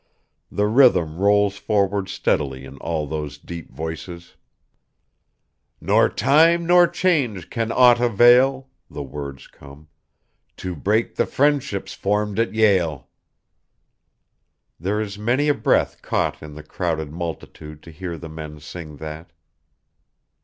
The rhythm rolls forward steadily in all those deep voices: "Nor time nor change can aught avail," the words come, "To break the friendships formed at Yale." There is many a breath caught in the crowded multitude to hear the men sing that.